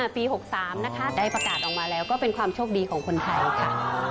ปี๖๓นะคะได้ประกาศออกมาแล้วก็เป็นความโชคดีของคนไทยค่ะ